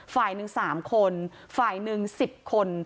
ฝ่ายหนึ่งสามคนฝ่ายหนึ่งสิบคน